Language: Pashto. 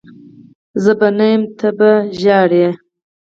زه به نه یم ته به ژهړي